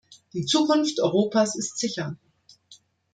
Die Zukunft Europas ist sicher.